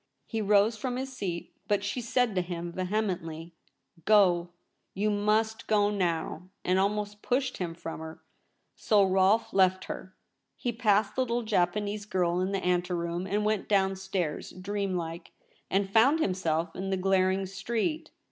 He rose from his seat ; but she said to him vehemently :' Go ! you must go now,' and almost pushed him from her. So Rolfe left her ; he passed the little Japanese girl in the ante room and went downstairs dreamlike, and found himself in the glaring street.